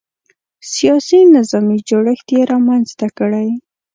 سیاسي نظامي جوړښت یې رامنځته کړی.